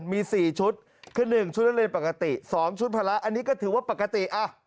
มี๔ชุดคือ๑ชุดอาหารปกติ๒ชุดพละอันนี้ก็ถือว่าปกติ